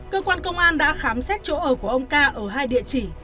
cơ quan công an đã khám xét chỗ ở của ông ca ở hai địa chỉ